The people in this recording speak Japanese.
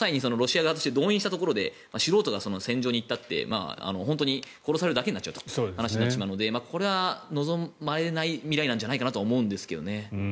動員したところで素人が戦場に行ったって本当に殺されるだけという話になってしまうのでこれは望まれない未来なんじゃないかと思うんですけどね。